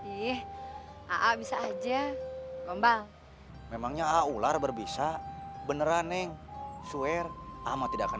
ih ah bisa aja gombal memangnya ular berbisa beneran neng swear ama tidakkan